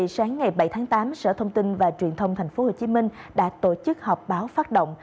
sáng ngày bảy tháng tám sở thông tin và truyền thông tp hcm đã tổ chức họp báo phát động